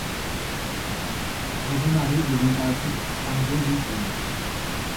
Arjomari devient par la suite ArjoWiggins.